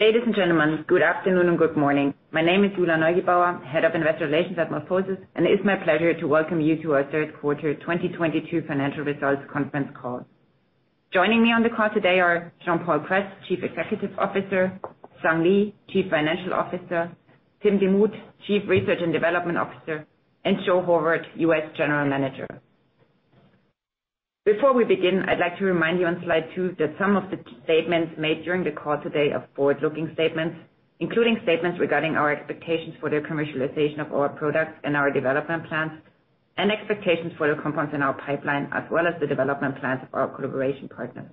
Ladies and gentlemen, good afternoon and good morning. My name is Julia Neugebauer, Head of Investor Relations at MorphoSys, and it is my pleasure to welcome you to our third quarter 2022 financial results conference call. Joining me on the call today are Jean-Paul Kress, Chief Executive Officer, Sung Lee, Chief Financial Officer, Tim Demuth, Chief Research and Development Officer, and Joe Horvat, U.S. General Manager. Before we begin, I'd like to remind you on slide two that some of the statements made during the call today are forward-looking statements, including statements regarding our expectations for the commercialization of our products and our development plans, and expectations for the compounds in our pipeline, as well as the development plans of our collaboration partners.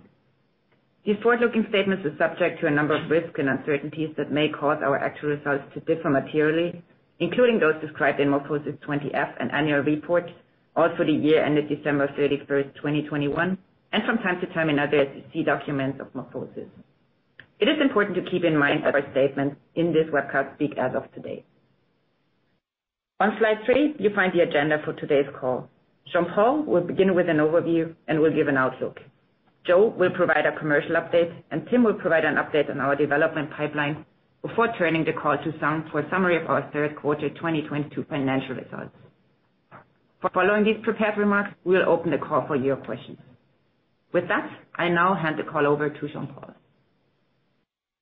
These forward-looking statements are subject to a number of risks and uncertainties that may cause our actual results to differ materially, including those described in MorphoSys' 20-F and annual report, or for the year ended December 31st, 2021, and from time to time in other SEC documents of MorphoSys. It is important to keep in mind that our statements in this webcast speak as of today. On slide three, you find the agenda for today's call. Jean-Paul will begin with an overview and will give an outlook. Joe will provide a commercial update, and Tim will provide an update on our development pipeline before turning the call to Sung for a summary of our third quarter 2022 financial results. Following these prepared remarks, we'll open the call for your questions. With that, I now hand the call over to Jean-Paul.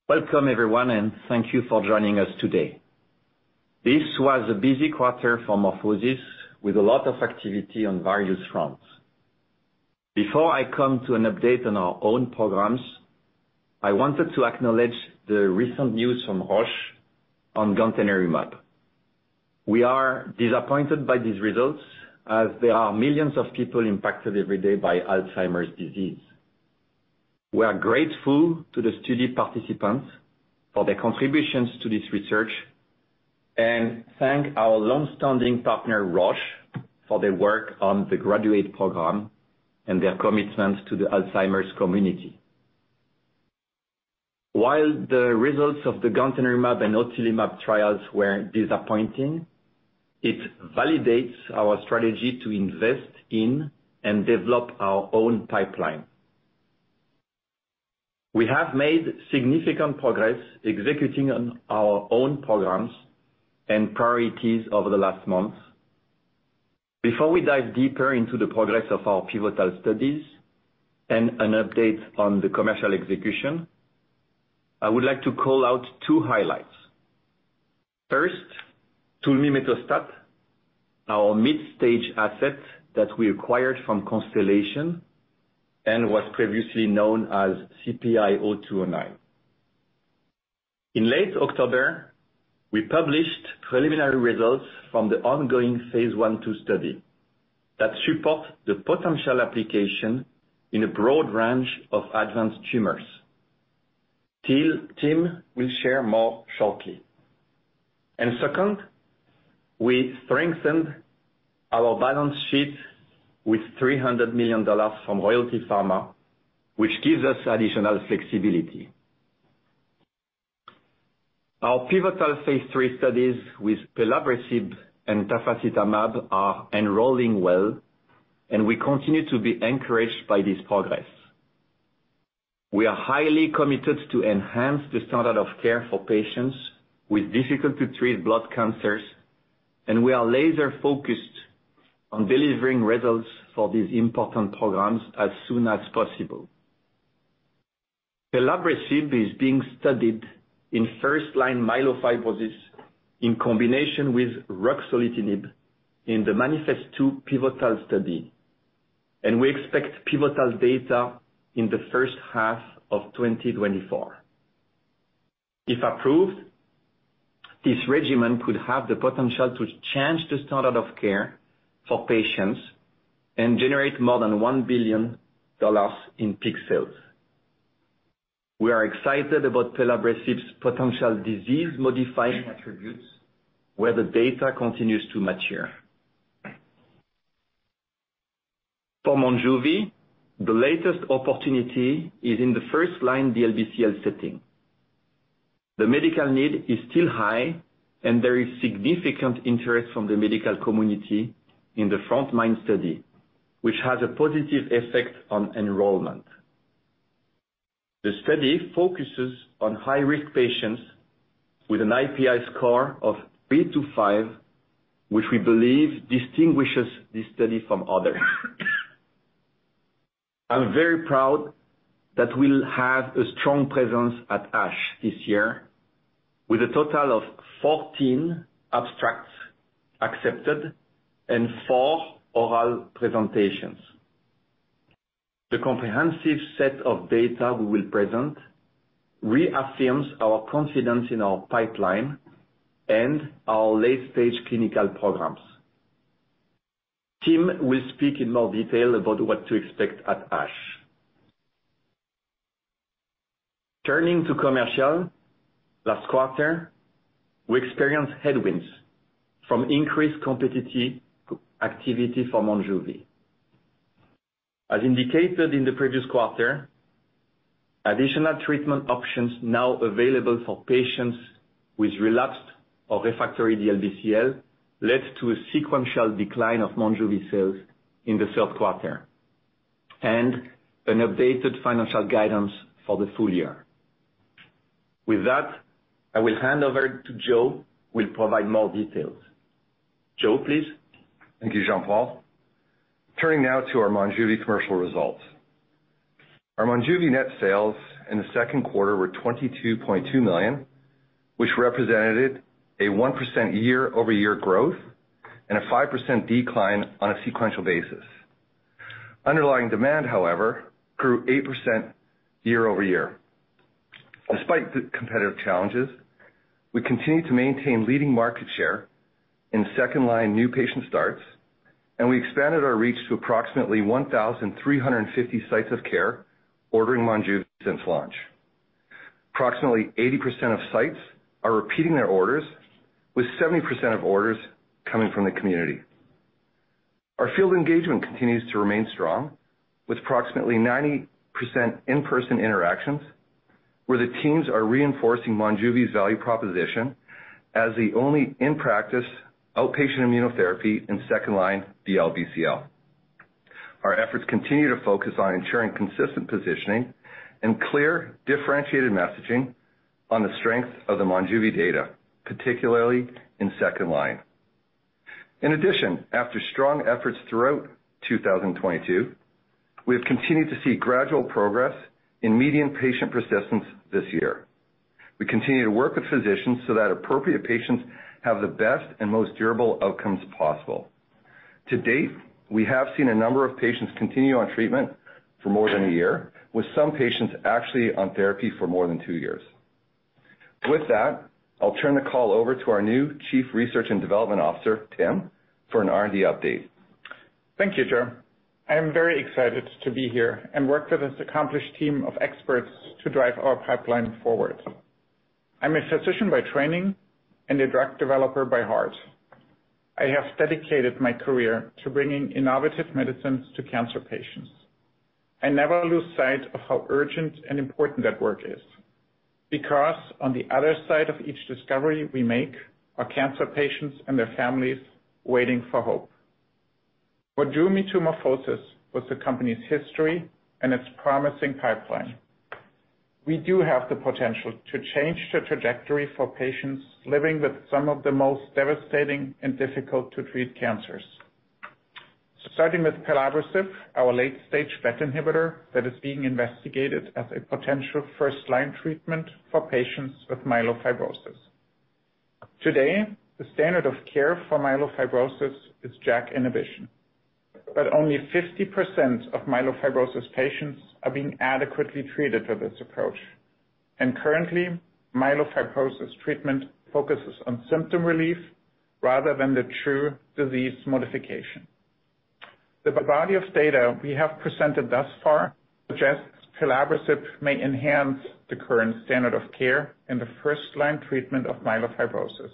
Welcome everyone, and thank you for joining us today. This was a busy quarter for MorphoSys, with a lot of activity on various fronts. Before I come to an update on our own programs, I wanted to acknowledge the recent news from Roche on gantenerumab. We are disappointed by these results as there are millions of people impacted every day by Alzheimer's disease. We are grateful to the study participants for their contributions to this research, and thank our long-standing partner, Roche, for their work on the GRADUATE program and their commitment to the Alzheimer's community. While the results of the gantenerumab and otilimab trials were disappointing, it validates our strategy to invest in and develop our own pipeline. We have made significant progress executing on our own programs and priorities over the last months. Before we dive deeper into the progress of our pivotal studies and an update on the commercial execution, I would like to call out two highlights. First, tulmimetostat, our mid-stage asset that we acquired from Constellation and was previously known as CPI-0209. In late October, we published preliminary results from the ongoing phase I/II study that support the potential application in a broad range of advanced tumors. Tim will share more shortly. Second, we strengthened our balance sheet with $300 million from Royalty Pharma, which gives us additional flexibility. Our pivotal phase III studies with pelabresib and tafasitamab are enrolling well, and we continue to be encouraged by this progress. We are highly committed to enhance the standard of care for patients with difficult to treat blood cancers, and we are laser focused on delivering results for these important programs as soon as possible. Pelabresib is being studied in first-line myelofibrosis in combination with ruxolitinib in the MANIFEST-2 pivotal study, and we expect pivotal data in the first half of 2024. If approved, this regimen could have the potential to change the standard of care for patients and generate more than $1 billion in peak sales. We are excited about pelabresib's potential disease-modifying attributes, where the data continues to mature. For Monjuvi, the latest opportunity is in the first-line DLBCL setting. The medical need is still high, and there is significant interest from the medical community in the frontMIND study, which has a positive effect on enrollment. The study focuses on high-risk patients with an IPI score of 3-5, which we believe distinguishes this study from others. I'm very proud that we'll have a strong presence at ASH this year with a total of 14 abstracts accepted and four oral presentations. The comprehensive set of data we will present reaffirms our confidence in our pipeline and our late-stage clinical programs. Tim will speak in more detail about what to expect at ASH. Turning to commercial, last quarter, we experienced headwinds from increased competitive activity for Monjuvi. As indicated in the previous quarter, additional treatment options now available for patients with relapsed or refractory DLBCL led to a sequential decline of Monjuvi sales in the third quarter. An updated financial guidance for the full year. With that, I will hand over to Joe, who will provide more details. Joe, please. Thank you, Jean-Paul. Turning now to our Monjuvi commercial results. Our Monjuvi net sales in the second quarter were $22.2 million, which represented a 1% year-over-year growth and a 5% decline on a sequential basis. Underlying demand, however, grew 8% year-over-year. Despite the competitive challenges, we continue to maintain leading market share in second-line new patient starts, and we expanded our reach to approximately 1,350 sites of care ordering Monjuvi since launch. Approximately 80% of sites are repeating their orders, with 70% of orders coming from the community. Our field engagement continues to remain strong, with approximately 90% in-person interactions, where the teams are reinforcing Monjuvi's value proposition as the only in-practice outpatient immunotherapy in second-line DLBCL. Our efforts continue to focus on ensuring consistent positioning and clear differentiated messaging on the strength of the Monjuvi data, particularly in second line. In addition, after strong efforts throughout 2022, we have continued to see gradual progress in median patient persistence this year. We continue to work with physicians so that appropriate patients have the best and most durable outcomes possible. To date, we have seen a number of patients continue on treatment for more than a year, with some patients actually on therapy for more than two years. With that, I'll turn the call over to our new chief research and development officer, Tim, for an R&D update. Thank you, Joe. I am very excited to be here and work with this accomplished team of experts to drive our pipeline forward. I'm a physician by training and a drug developer by heart. I have dedicated my career to bringing innovative medicines to cancer patients. I never lose sight of how urgent and important that work is, because on the other side of each discovery we make are cancer patients and their families waiting for hope. What drew me to MorphoSys was the company's history and its promising pipeline. We do have the potential to change the trajectory for patients living with some of the most devastating and difficult to treat cancers. Starting with pelabresib, our late-stage BET inhibitor that is being investigated as a potential first-line treatment for patients with myelofibrosis. Today, the standard of care for myelofibrosis is JAK inhibition, but only 50% of myelofibrosis patients are being adequately treated with this approach. Currently, myelofibrosis treatment focuses on symptom relief rather than the true disease modification. The body of data we have presented thus far suggests pelabresib may enhance the current standard of care in the first-line treatment of myelofibrosis.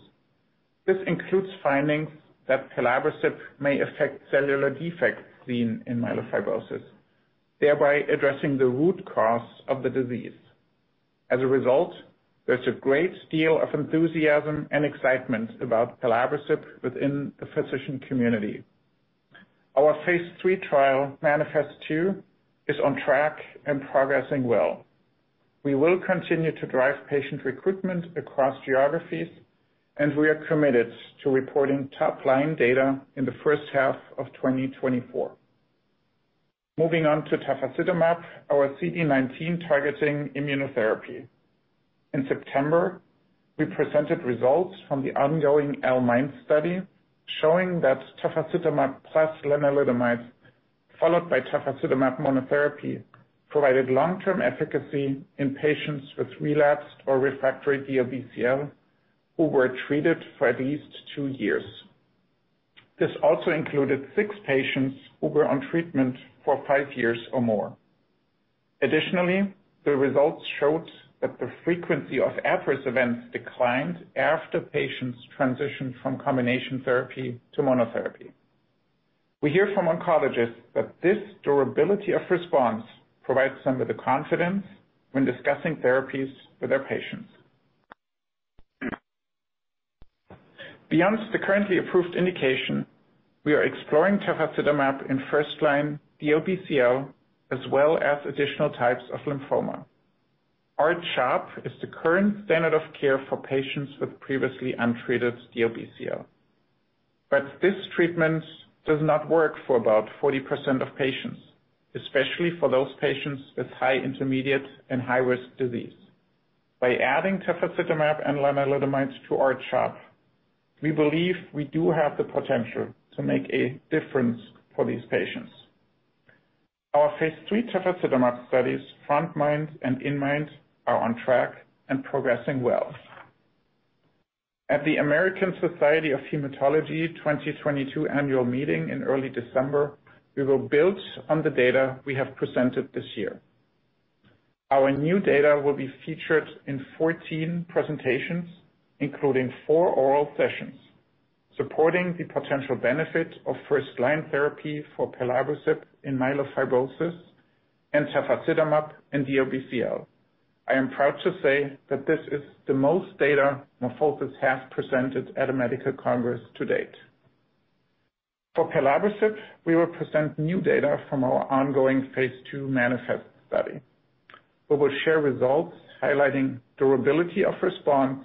This includes findings that pelabresib may affect cellular defects seen in myelofibrosis, thereby addressing the root cause of the disease. As a result, there's a great deal of enthusiasm and excitement about pelabresib within the physician community. Our phase III trial, MANIFEST-2, is on track and progressing well. We will continue to drive patient recruitment across geographies, and we are committed to reporting top-line data in the first half of 2024. Moving on to tafasitamab, our CD19-targeting immunotherapy. In September, we presented results from the ongoing L-MIND study showing that tafasitamab plus lenalidomide, followed by tafasitamab monotherapy, provided long-term efficacy in patients with relapsed or refractory DLBCL who were treated for at least two years. This also included six patients who were on treatment for five years or more. Additionally, the results showed that the frequency of adverse events declined after patients transitioned from combination therapy to monotherapy. We hear from oncologists that this durability of response provides them with the confidence when discussing therapies with their patients. Beyond the currently approved indication, we are exploring tafasitamab in first-line DLBCL, as well as additional types of lymphoma. R-CHOP is the current standard of care for patients with previously untreated DLBCL. This treatment does not work for about 40% of patients, especially for those patients with high-intermediate and high-risk disease. By adding tafasitamab and lenalidomide to R-CHOP, we believe we do have the potential to make a difference for these patients. Our phase III tafasitamab studies, frontMIND and inMIND, are on track and progressing well. At the American Society of Hematology 2022 annual meeting in early December, we will build on the data we have presented this year. Our new data will be featured in 14 presentations, including four oral sessions, supporting the potential benefit of first-line therapy for pelabresib in myelofibrosis and tafasitamab and DLBCL. I am proud to say that this is the most data MorphoSys has presented at a medical congress to date. For pelabresib, we will present new data from our ongoing phase II MANIFEST study. We will share results highlighting durability of response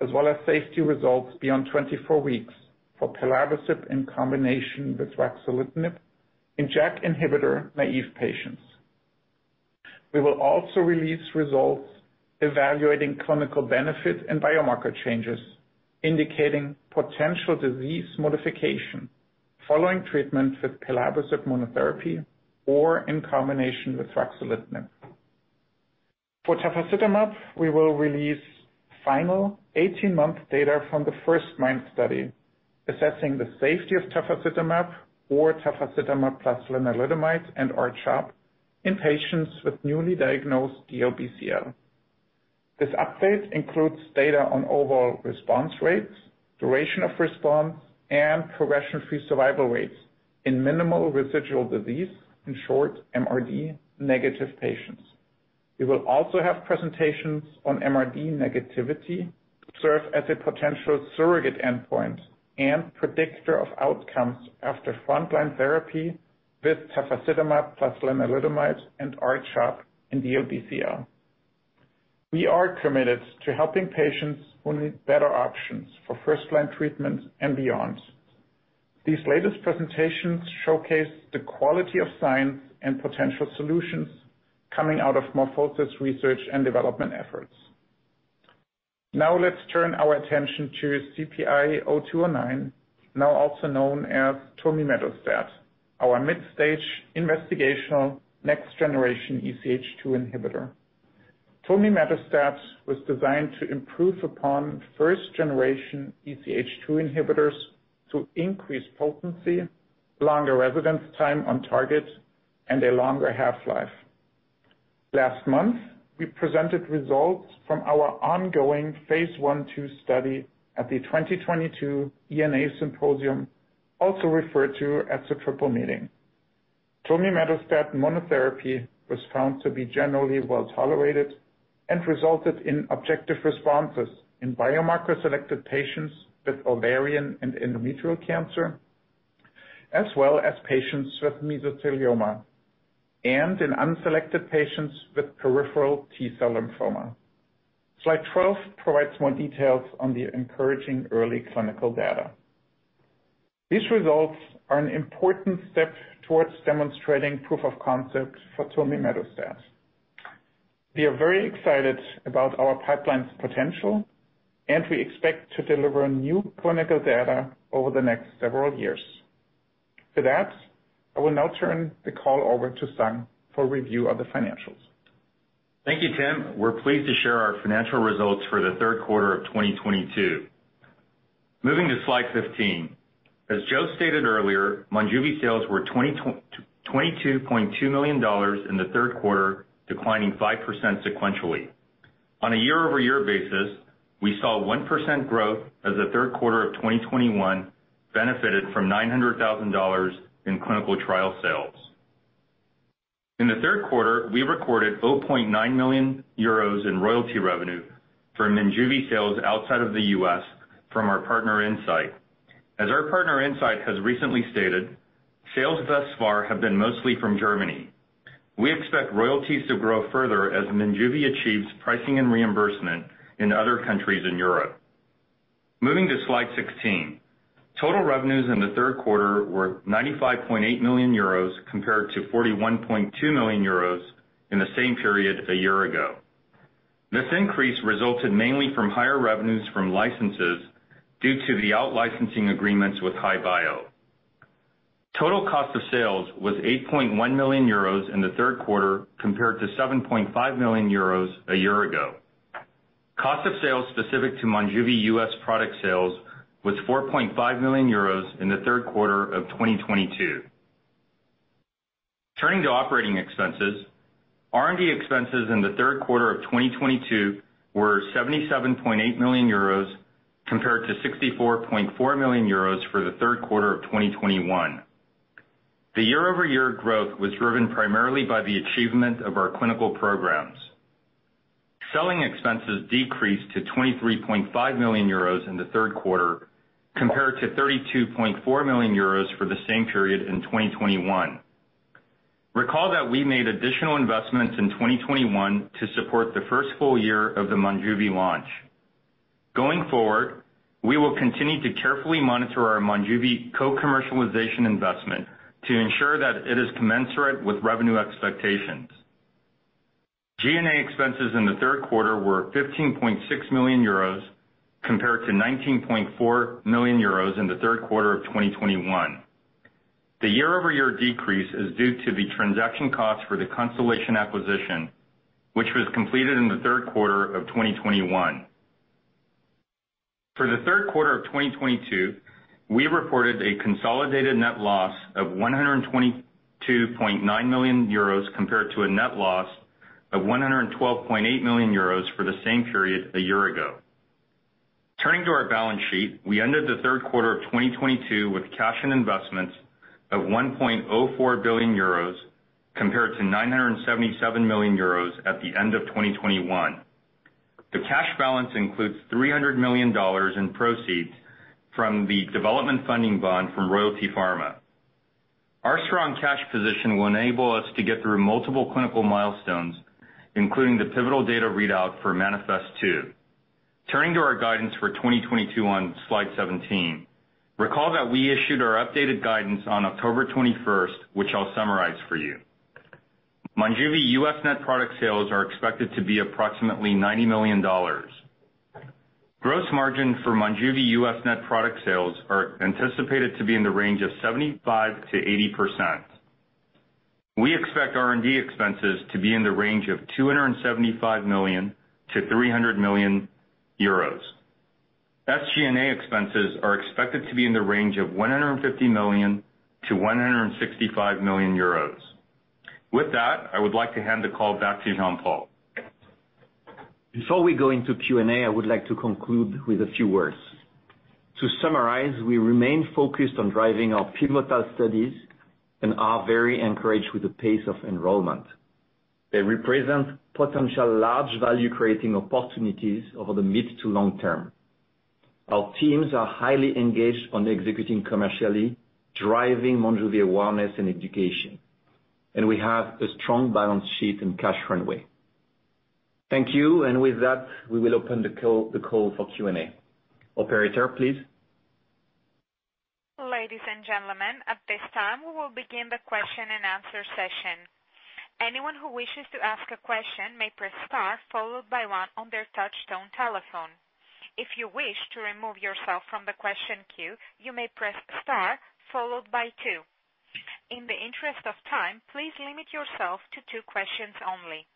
as well as safety results beyond 24 weeks for pelabresib in combination with ruxolitinib in JAK inhibitor naive patients. We will also release results evaluating clinical benefit and biomarker changes indicating potential disease modification following treatment with pelabresib monotherapy or in combination with ruxolitinib. For tafasitamab, we will release final 18-month data from the First-MIND study assessing the safety of tafasitamab or tafasitamab plus lenalidomide and R-CHOP in patients with newly diagnosed DLBCL. This update includes data on overall response rates, duration of response, and progression-free survival rates in minimal residual disease, in short MRD-negative patients. We will also have presentations on MRD negativity serve as a potential surrogate endpoint and predictor of outcomes after frontline therapy with tafasitamab plus lenalidomide and R-CHOP in DLBCL. We are committed to helping patients who need better options for first-line treatment and beyond. These latest presentations showcase the quality of science and potential solutions coming out of MorphoSys research and development efforts. Now let's turn our attention to CPI-0209, now also known as tulmimetostat, our mid-stage investigational next-generation EZH2 inhibitor. Tulmimetostat was designed to improve upon first-generation EZH2 inhibitors to increase potency, longer residence time on target, and a longer half-life. Last month, we presented results from our ongoing phase I/II study at the 2022 ENA Symposium, also referred to as the Triple Meeting. Tulmimetostat monotherapy was found to be generally well tolerated and resulted in objective responses in biomarker-selected patients with ovarian and endometrial cancer, as well as patients with mesothelioma, and in unselected patients with peripheral T-cell lymphoma. Slide 12 provides more details on the encouraging early clinical data. These results are an important step towards demonstrating proof of concept for tulmimetostat. We are very excited about our pipeline's potential, and we expect to deliver new clinical data over the next several years. For that, I will now turn the call over to Sung for review of the financials. Thank you, Tim. We're pleased to share our financial results for the third quarter of 2022. Moving to slide 15. As Joe stated earlier, Monjuvi sales were $22.2 million in the third quarter, declining 5% sequentially. On a year-over-year basis, we saw 1% growth as the third quarter of 2021 benefited from $900,000 in clinical trial sales. In the third quarter, we recorded 0.9 million euros in royalty revenue from Monjuvi sales outside of the U.S. from our partner Incyte. As our partner Incyte has recently stated, sales thus far have been mostly from Germany. We expect royalties to grow further as Monjuvi achieves pricing and reimbursement in other countries in Europe. Moving to slide 16. Total revenues in the third quarter were 95.8 million euros compared to 41.2 million euros in the same period a year ago. This increase resulted mainly from higher revenues from licenses due to the out-licensing agreements with HI-Bio. Total cost of sales was 8.1 million euros in the third quarter compared to 7.5 million euros a year ago. Cost of sales specific to Monjuvi U.S. product sales was 4.5 million euros in the third quarter of 2022. Turning to operating expenses. R&D expenses in the third quarter of 2022 were 77.8 million euros compared to 64.4 million euros for the third quarter of 2021. The year-over-year growth was driven primarily by the achievement of our clinical programs. Selling expenses decreased to 23.5 million euros in the third quarter compared to 32.4 million euros for the same period in 2021. Recall that we made additional investments in 2021 to support the first full year of the Monjuvi launch. Going forward, we will continue to carefully monitor our Monjuvi co-commercialization investment to ensure that it is commensurate with revenue expectations. G&A expenses in the third quarter were 15.6 million euros compared to 19.4 million euros in the third quarter of 2021. The year-over-year decrease is due to the transaction costs for the Constellation acquisition, which was completed in the third quarter of 2021. For the third quarter of 2022, we reported a consolidated net loss of 122.9 million euros compared to a net loss of 112.8 million euros for the same period a year ago. Turning to our balance sheet, we ended the third quarter of 2022 with cash and investments of 1.04 billion euros compared to 977 million euros at the end of 2021. The cash balance includes $300 million in proceeds from the Development Funding Bond from Royalty Pharma. Our strong cash position will enable us to get through multiple clinical milestones, including the pivotal data readout for MANIFEST-2. Turning to our guidance for 2022 on slide 17. Recall that we issued our updated guidance on October 21st, which I'll summarize for you. Monjuvi U.S. net product sales are expected to be approximately $90 million. Gross margin for Monjuvi U.S. net product sales are anticipated to be in the range of 75%-80%. We expect R&D expenses to be in the range of 275 million-300 million euros. SG&A expenses are expected to be in the range of 150 million-165 million euros. With that, I would like to hand the call back to Jean-Paul. Before we go into Q&A, I would like to conclude with a few words. To summarize, we remain focused on driving our pivotal studies and are very encouraged with the pace of enrollment. They represent potential large value-creating opportunities over the mid to long term. Our teams are highly engaged on executing commercially, driving Monjuvi awareness and education, and we have a strong balance sheet and cash runway. Thank you. With that, we will open the call for Q&A. Operator, please. Ladies and gentlemen, at this time, we will begin the question-and-answer session. Anyone who wishes to ask a question may press star followed by one on their touch-tone telephone. If you wish to remove yourself from the question queue, you may press star followed by two. In the interest of time, please limit yourself to two questions only.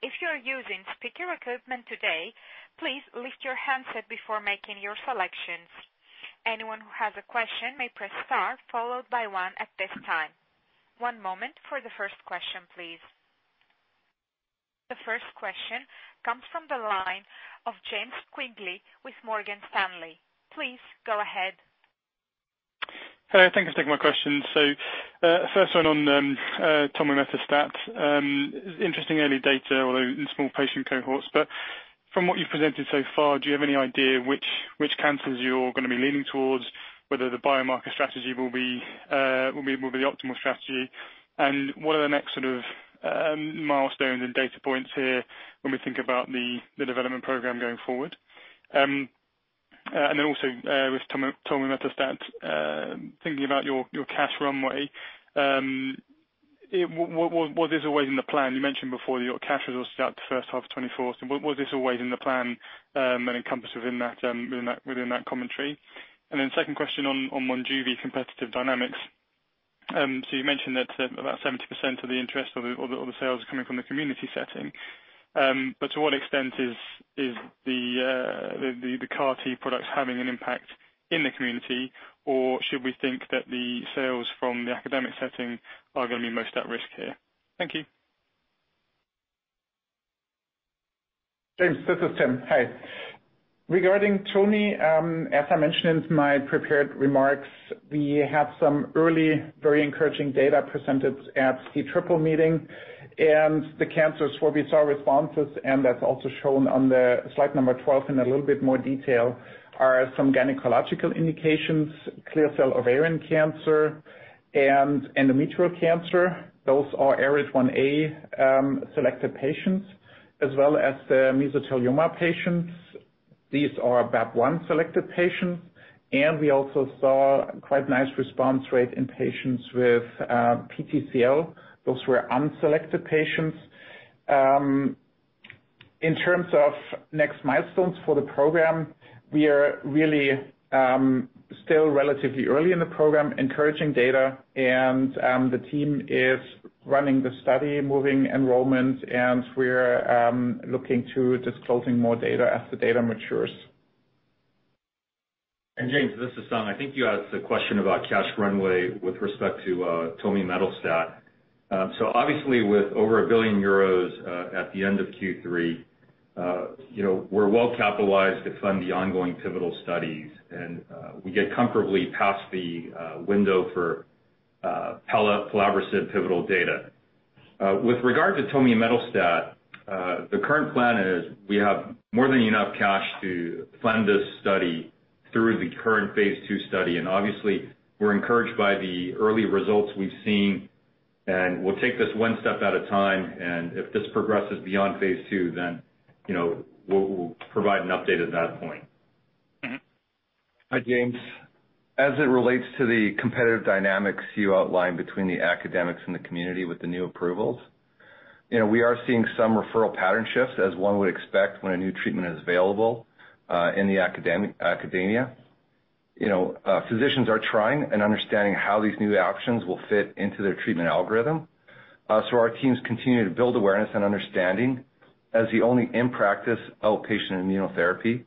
If you are using speaker equipment today, please lift your handset before making your selections. Anyone who has a question may press star followed by one at this time. One moment for the first question, please. The first question comes from the line of James Quigley with Morgan Stanley. Please go ahead. Hey, thank you for taking my question. First one on tulmimetostat. Interesting early data, although in small patient cohorts. From what you've presented so far, do you have any idea which cancers you're gonna be leaning towards, whether the biomarker strategy will be the optimal strategy? What are the next sort of milestones and data points here when we think about the development program going forward? With tulmimetostat, thinking about your cash runway, was this always in the plan? You mentioned before that your cash was exhausted at the first half of 2024. Was this always in the plan and encompassed within that commentary? Second question on Monjuvi competitive dynamics. You mentioned that about 70% of the interest or the sales are coming from the community setting. To what extent is the CAR-T products having an impact in the community? Should we think that the sales from the academic setting are gonna be most at risk here? Thank you. James, this is Tim. Hi. Regarding tulmimetostat, as I mentioned in my prepared remarks, we have some early, very encouraging data presented at Triple Meeting. The cancers where we saw responses, and that's also shown on the slide number 12 in a little bit more detail, are some gynecological indications, clear cell ovarian cancer and endometrial cancer. Those are ARID1A selected patients, as well as the mesothelioma patients. These are BAP1 selected patients, and we also saw quite nice response rate in patients with PTCL. Those were unselected patients. In terms of next milestones for the program, we are really still relatively early in the program, encouraging data, and the team is running the study, moving enrollment, and we're looking to disclosing more data as the data matures. James, this is Sung Lee. I think you asked a question about cash runway with respect to tulmimetostat. Obviously with over 1 billion euros at the end of Q3, you know, we're well capitalized to fund the ongoing pivotal studies, and we get comfortably past the window for pelabresib pivotal data. With regard to tulmimetostat, the current plan is we have more than enough cash to fund this study through the current phase II study. Obviously we're encouraged by the early results we've seen, and we'll take this one step at a time, and if this progresses beyond phase II, then, you know, we'll provide an update at that point. Mm-hmm. Hi, James. As it relates to the competitive dynamics you outlined between the academics and the community with the new approvals, you know, we are seeing some referral pattern shifts as one would expect when a new treatment is available in academia. You know, physicians are trying and understanding how these new options will fit into their treatment algorithm. Our teams continue to build awareness and understanding as the only in-practice outpatient immunotherapy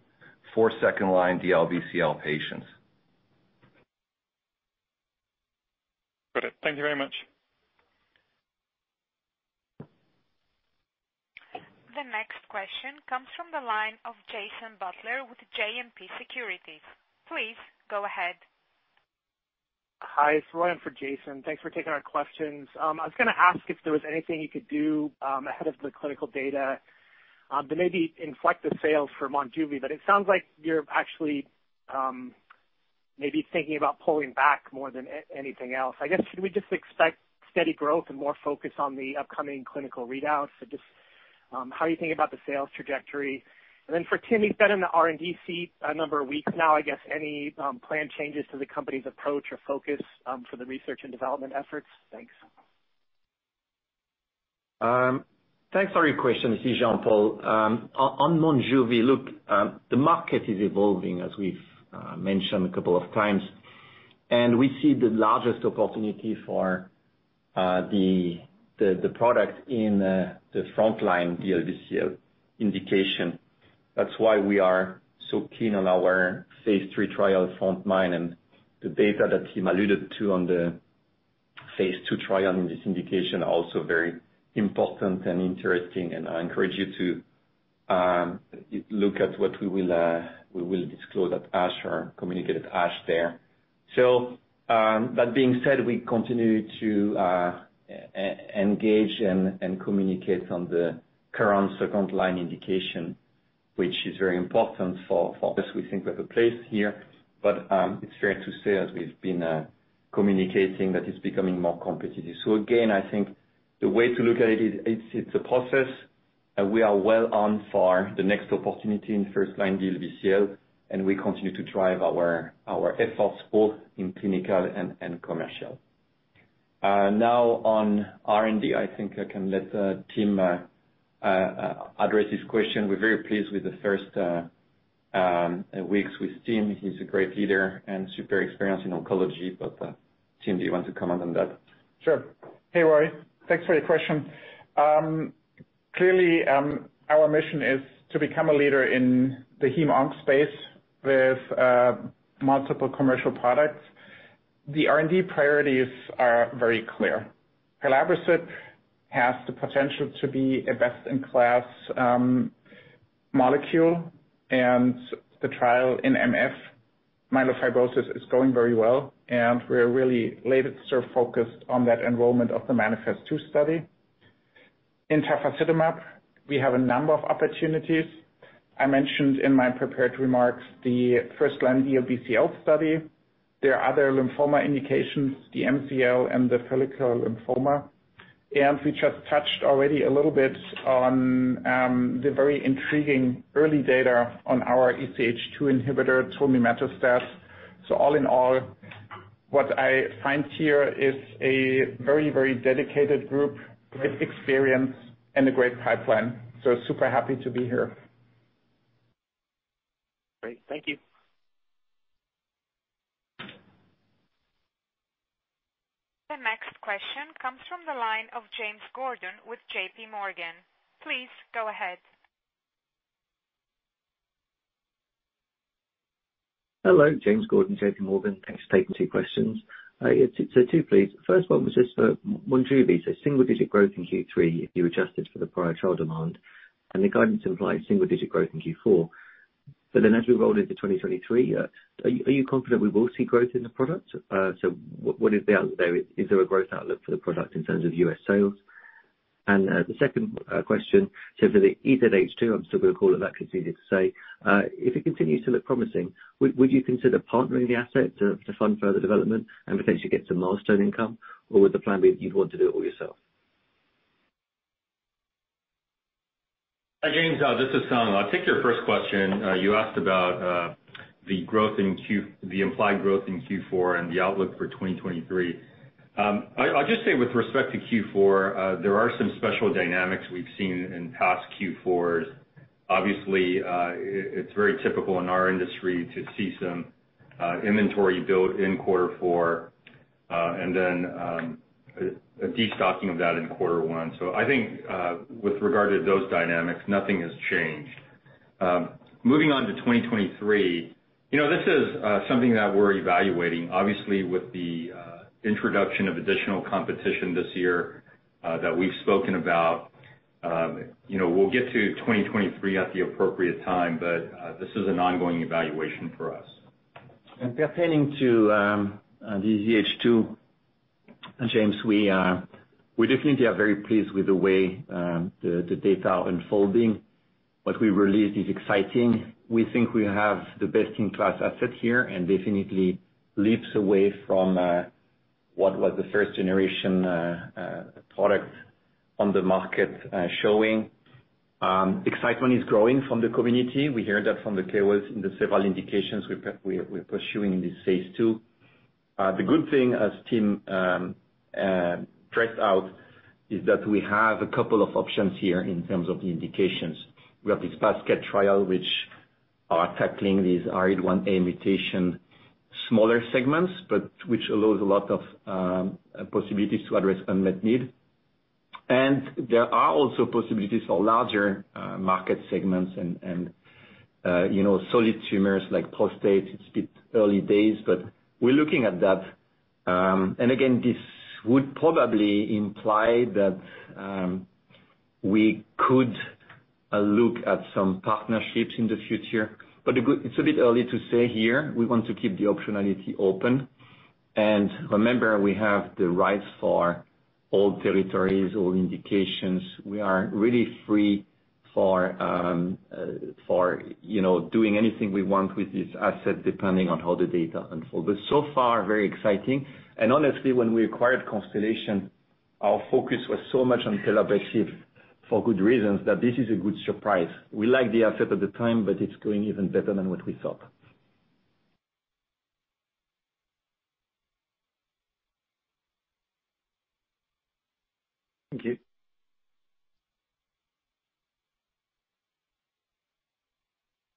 for second-line DLBCL patients. Got it. Thank you very much. The next question comes from the line of Jason Butler with JMP Securities. Please go ahead. Hi, it's Roy on for Jason. Thanks for taking our questions. I was gonna ask if there was anything you could do ahead of the clinical data to maybe inflect the sales for Monjuvi. It sounds like you're actually maybe thinking about pulling back more than anything else. I guess, should we just expect steady growth and more focus on the upcoming clinical readouts? How are you thinking about the sales trajectory? For Tim, he's been in the R&D seat a number of weeks now. I guess any plan changes to the company's approach or focus for the research and development efforts? Thanks. Thanks for your question. This is Jean-Paul. On Monjuvi, look, the market is evolving, as we've mentioned a couple of times. We see the largest opportunity for the product in the frontline DLBCL indication. That's why we are so keen on our phase III trial frontMIND, and the data that Tim alluded to on the phase II trial in this indication are also very important and interesting. I encourage you to look at what we will disclose at ASH or communicate at ASH there. That being said, we continue to engage and communicate on the current second-line indication, which is very important for us. We think we have a place here, but it's fair to say as we've been communicating that it's becoming more competitive. Again, I think the way to look at it is it's a process, and we are well on for the next opportunity in first-line DLBCL, and we continue to drive our efforts both in clinical and commercial. Now on R&D, I think I can let Tim address this question. We're very pleased with the first weeks with Tim. He's a great leader and super experienced in oncology. Tim, do you want to comment on that? Sure. Hey, Roy. Thanks for your question. Clearly, our mission is to become a leader in the hem-onc space with multiple commercial products. The R&D priorities are very clear. Pelabresib has the potential to be a best-in-class molecule, and the trial in MF myelofibrosis is going very well, and we're really laser-focused on that enrollment of the MANIFEST-2 study. In tafasitamab, we have a number of opportunities. I mentioned in my prepared remarks the first-line DLBCL study. There are other lymphoma indications, the MCL and the follicular lymphoma. We just touched already a little bit on the very intriguing early data on our EZH2 inhibitor, tulmimetostat. All in all, what I find here is a very dedicated group with experience and a great pipeline. Super happy to be here. Great. Thank you. The next question comes from the line of James Gordon with JPMorgan. Please go ahead. Hello. James Gordon, JPMorgan. Thanks for taking two questions. Yeah, two please. First one was just for Monjuvi. Single digit growth in Q3, if you adjusted for the prior trial demand, and the guidance implies single digit growth in Q4. As we roll into 2023, are you confident we will see growth in the product? What is the outlook there? Is there a growth outlook for the product in terms of U.S. sales? The second question. For the EZH2, I'm still gonna call it that because it's easier to say. If it continues to look promising, would you consider partnering the asset to fund further development and potentially get some milestone income, or would the plan be you'd want to do it all yourself? Hi, James. This is Sung Lee. I'll take your first question. You asked about the implied growth in Q4 and the outlook for 2023. I'll just say with respect to Q4, there are some special dynamics we've seen in past Q4s. Obviously, it's very typical in our industry to see some inventory built in quarter four and then a de-stocking of that in quarter one. I think, with regard to those dynamics, nothing has changed. Moving on to 2023, you know, this is something that we're evaluating. Obviously, with the introduction of additional competition this year that we've spoken about, you know, we'll get to 2023 at the appropriate time, but this is an ongoing evaluation for us. Pertaining to the EZH2, James, we definitely are very pleased with the way the data are unfolding. What we released is exciting. We think we have the best-in-class asset here and definitely leaps away from what was the first-gen product on the market showing. Excitement is growing from the community. We hear that from the KOLs in the several indications we're pursuing in this phase II. The good thing, as Tim stressed out, is that we have a couple of options here in terms of the indications. We have this basket trial, which are tackling these ARID1A mutation smaller segments, but which allows a lot of possibilities to address unmet need. There are also possibilities for larger market segments and, you know, solid tumors like prostate. It's a bit early days, but we're looking at that. Again, this would probably imply that we could look at some partnerships in the future. It's a bit early to say here. We want to keep the optionality open. Remember, we have the rights for all territories, all indications. We are really free for, you know, doing anything we want with this asset, depending on how the data unfold. So far, very exciting. Honestly, when we acquired Constellation, our focus was so much on pelabresib for good reasons that this is a good surprise. We like the asset at the time, but it's going even better than what we thought. Thank you.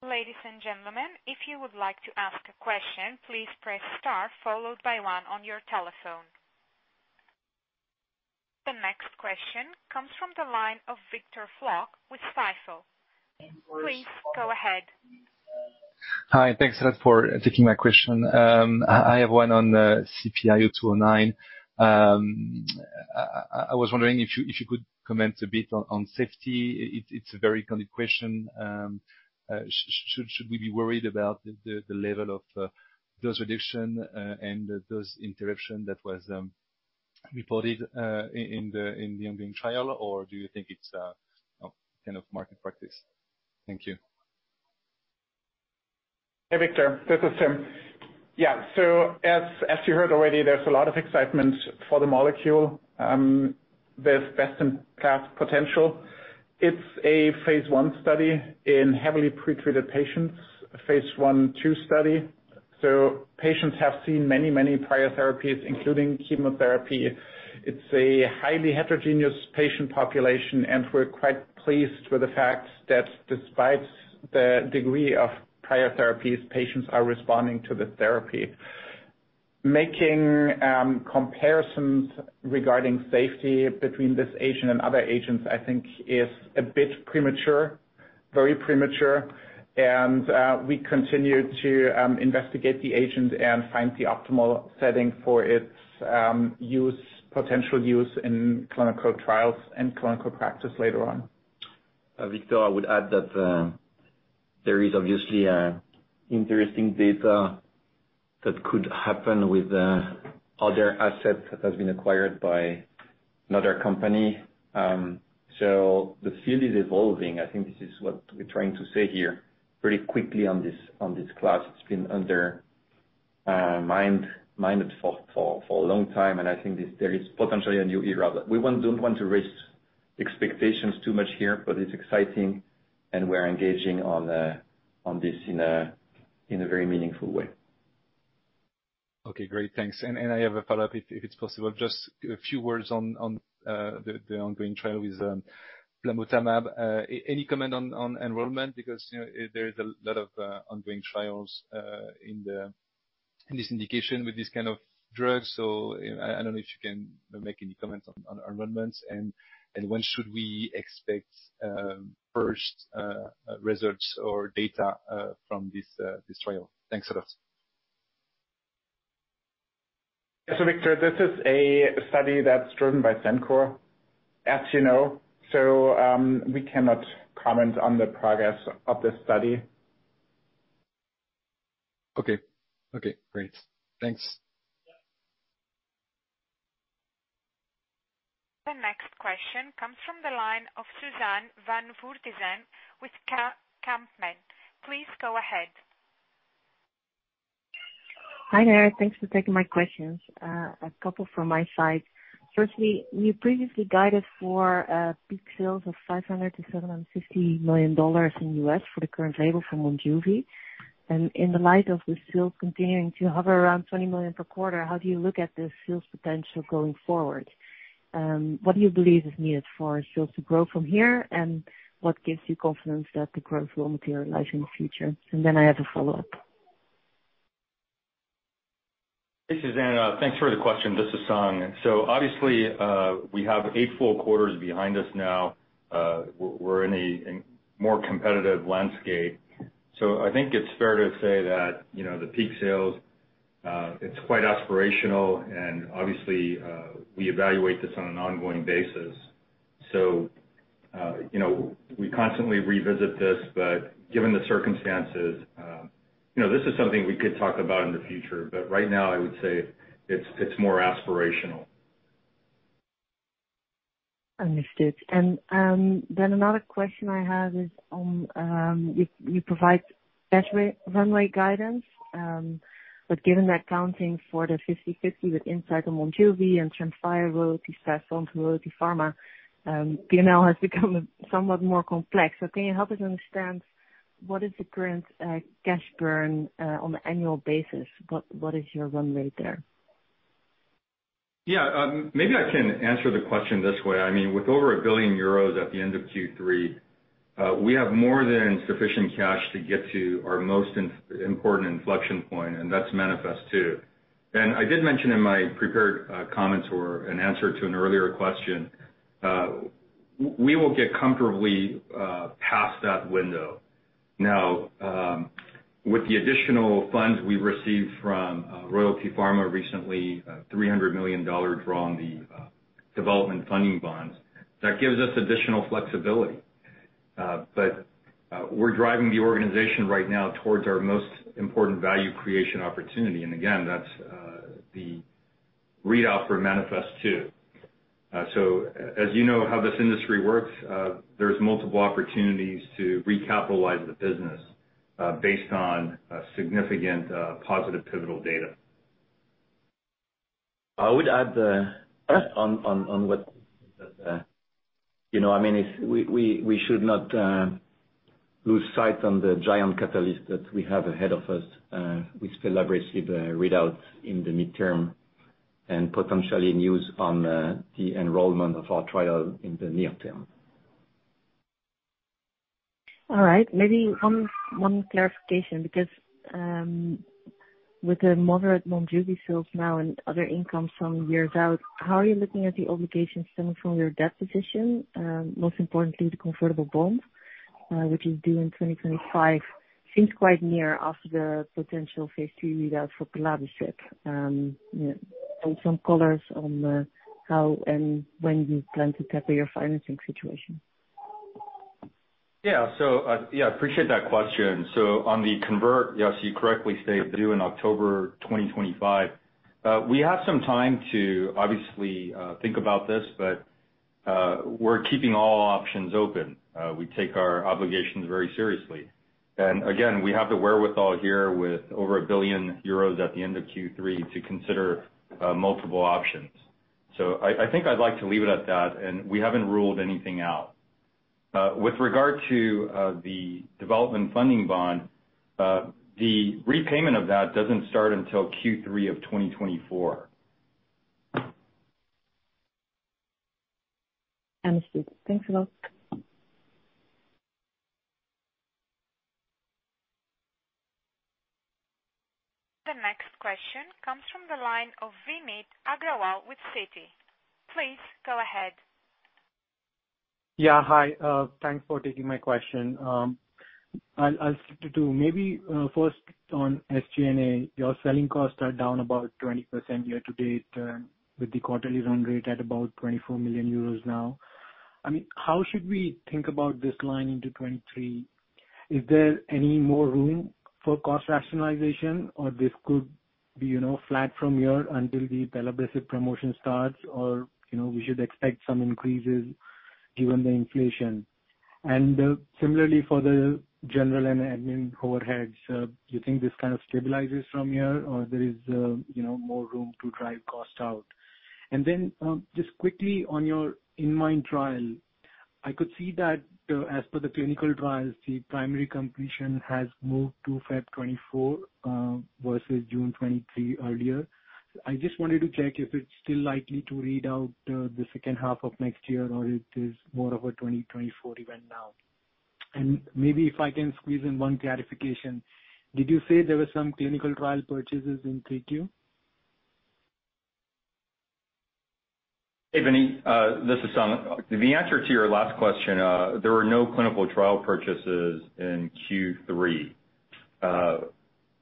Ladies and gentlemen, if you would like to ask a question, please press star followed by one on your telephone. The next question comes from the line of Victor Floc'h with Stifel. Please go ahead. Hi, thanks a lot for taking my question. I have one on the CPI-0209. I was wondering if you could comment a bit on safety. It's a very common question. Should we be worried about the level of dose reduction and dose interruption that was reported in the ongoing trial? Do you think it's, you know, kind of market practice? Thank you. Hey, Victor. This is Tim. Yeah. As you heard already, there's a lot of excitement for the molecule. There's best-in-class potential. It's a phase I study in heavily pre-treated patients, a phase I/II study. Patients have seen many prior therapies, including chemotherapy. It's a highly heterogeneous patient population, and we're quite pleased with the fact that despite the degree of prior therapies, patients are responding to the therapy. Making comparisons regarding safety between this agent and other agents, I think is very premature. We continue to investigate the agent and find the optimal setting for its potential use in clinical trials and clinical practice later on. Victor, I would add that there is obviously interesting data that could happen with the other assets that has been acquired by another company. The field is evolving. I think this is what we're trying to say here pretty quickly on this class. It's been undermined for a long time, and I think there is potentially a new era. We don't want to raise expectations too much here, but it's exciting and we're engaging on this in a very meaningful way. Okay, great. Thanks. I have a follow-up if it's possible. Just a few words on the ongoing trial with plamotamab. Any comment on enrollment? Because, you know, there is a lot of ongoing trials in this indication with this kind of drug. I don't know if you can make any comments on enrollments. When should we expect first results or data from this trial? Thanks a lot. Victor, this is a study that's driven by Xencor, as you know. We cannot comment on the progress of this study. Okay, great. Thanks. The next question comes from the line of Suzanne van Voorthuizen with Kempen. Please go ahead. Hi there. Thanks for taking my questions. A couple from my side. Firstly, you previously guided for peak sales of $500 million-$750 million in U.S. for the current label for Monjuvi. In the light of the sales continuing to hover around $20 million per quarter, how do you look at the sales potential going forward? What do you believe is needed for sales to grow from here? What gives you confidence that the growth will materialize in the future? I have a follow-up. Hey, Suzanne. Thanks for the question. This is Sung Lee. Obviously, we have eight full quarters behind us now. We're in a more competitive landscape. I think it's fair to say that, you know, the peak sales, it's quite aspirational and obviously, we evaluate this on an ongoing basis. You know, we constantly revisit this, but given the circumstances, you know, this is something we could talk about in the future, but right now I would say it's more aspirational. Understood. Another question I have is on you provide better runway guidance, given that accounting for the 50/50 with Incyte on Monjuvi and Tremfya royalty, Royalty Pharma, P&L has become somewhat more complex. Can you help us understand what is the current cash burn on an annual basis? What is your run rate there? Yeah, maybe I can answer the question this way. I mean, with over 1 billion euros at the end of Q3, we have more than sufficient cash to get to our most important inflection point, and that's MANIFEST-2. I did mention in my prepared comments or an answer to an earlier question, we will get comfortably past that window. Now, with the additional funds we received from Royalty Pharma recently, $300 million draw on the Development Funding Bonds, that gives us additional flexibility. We're driving the organization right now towards our most important value creation opportunity. Again, that's the readout for MANIFEST-2. As you know how this industry works, there's multiple opportunities to recapitalize the business based on significant positive pivotal data. I would add, you know, I mean, we should not lose sight on the giant catalyst that we have ahead of us with pelabresib readouts in the midterm and potentially news on the enrollment of our trial in the near term. All right. Maybe one clarification because with the moderate Monjuvi sales now and other income some years out, how are you looking at the obligations coming from your debt position? Most importantly, the convertible bond which is due in 2025 seems quite near after the potential phase II readout for pelabresib. Yeah, give some colors on how and when you plan to tackle your financing situation. Yeah. Yeah, I appreciate that question. On the convert, yes, you correctly state due in October 2025. We have some time to obviously think about this, but we're keeping all options open. We take our obligations very seriously. Again, we have the wherewithal here with over 1 billion euros at the end of Q3 to consider multiple options. I think I'd like to leave it at that, and we haven't ruled anything out. With regard to the Development Funding Bond, the repayment of that doesn't start until Q3 of 2024. Understood. Thanks a lot. The next question comes from the line of Vineet Agrawal with Citi. Please go ahead. Yeah, hi. Thanks for taking my question. I'll stick to two. Maybe first on SG&A, your selling costs are down about 20% year to date, with the quarterly run rate at about 24 million euros now. I mean, how should we think about this line into 2023? Is there any more room for cost rationalization or this could be, you know, flat from here until the pelabresib promotion starts or, you know, we should expect some increases given the inflation? Similarly for the general and admin overheads, do you think this kind of stabilizes from here or there is, you know, more room to drive cost out? Just quickly on your inMIND trial, I could see that, as per the clinical trials, the primary completion has moved to February 2024 versus June 2023 earlier. I just wanted to check if it's still likely to read out the second half of next year or it is more of a 2024 event now. Maybe if I can squeeze in one clarification, did you say there were some clinical trial purchases in 3Q? Hey, Vineet. This is Sung Lee. The answer to your last question, there were no clinical trial purchases in Q3.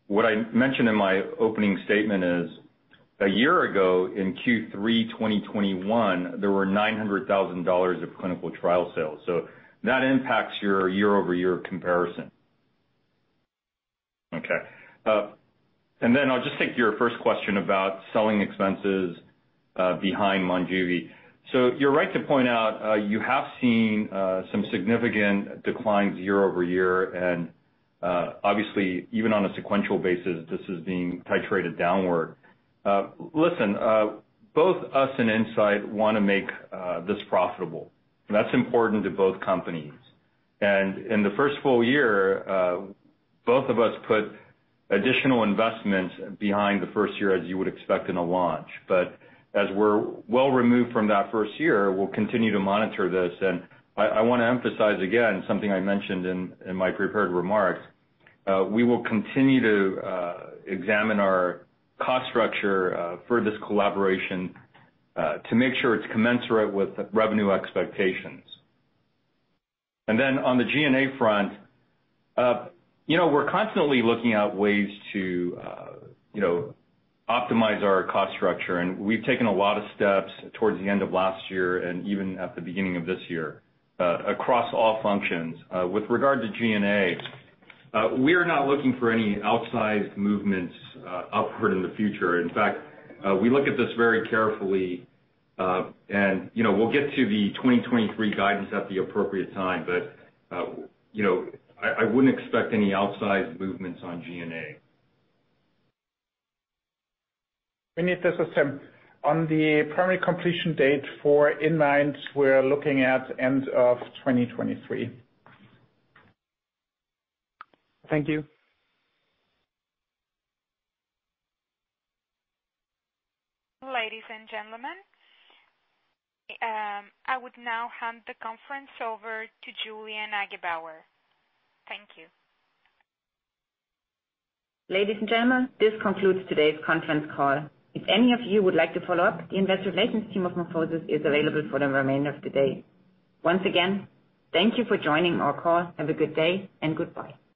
What I mentioned in my opening statement is a year ago in Q3 2021, there were $900 thousand of clinical trial sales. That impacts your year-over-year comparison. Okay. I'll just take your first question about selling expenses behind Monjuvi. You're right to point out, you have seen some significant declines year-over-year and, obviously, even on a sequential basis, this is being titrated downward. Listen, both us and Incyte wanna make this profitable. That's important to both companies. In the first full year, both of us put additional investments behind the first year as you would expect in a launch. As we're well removed from that first year, we'll continue to monitor this. I wanna emphasize again, something I mentioned in my prepared remarks, we will continue to examine our cost structure for this collaboration to make sure it's commensurate with revenue expectations. On the G&A front, you know, we're constantly looking at ways to, you know, optimize our cost structure, and we've taken a lot of steps towards the end of last year and even at the beginning of this year, across all functions. With regard to G&A, we are not looking for any outsized movements, upward in the future. In fact, we look at this very carefully, and, you know, we'll get to the 2023 guidance at the appropriate time. You know, I wouldn't expect any outsized movements on G&A. Vineet, this is Tim. On the primary completion date for inMIND, we're looking at end of 2023. Thank you. Ladies and gentlemen, I would now hand the conference over to Julia Neugebauer. Thank you. Ladies and gentlemen, this concludes today's conference call. If any of you would like to follow up, the investor relations team of MorphoSys is available for the remainder of the day. Once again, thank you for joining our call. Have a good day and goodbye.